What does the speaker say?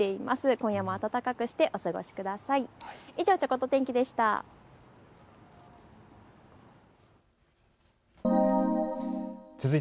今夜も暖かくしてお過ごしください。